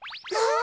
あ。